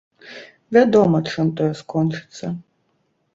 Вядома, чым тое скончыцца.